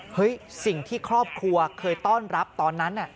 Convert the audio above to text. สิ่งที่ครอบครัวเคยต้อนรับตอนนั้น